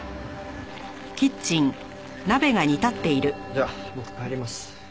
じゃあ僕帰ります。